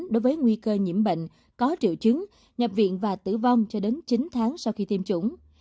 đối với nguy cơ nhiễm bệnh có triệu chứng nhập viện và tử vong cho đến chín tháng sau khi tiêm chủng